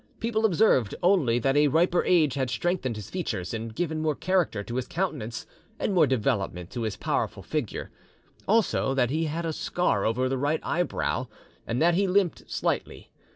People observed only that a riper age had strengthened his features, and given more character to his countenance and more development to his powerful figure; also that he had a scar over the right eyebrow, and that he limped slightly.